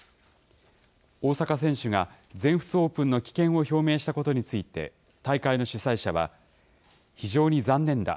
大坂選手が全仏オープンの棄権を表明したことについて、大会の主催者は、非常に残念だ。